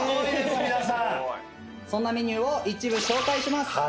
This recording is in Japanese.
そんなメニューを一部紹介します。